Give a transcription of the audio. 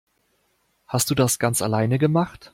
Hast du das ganz alleine gemacht?